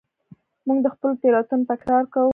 موږ د خپلو تېروتنو تکرار کوو.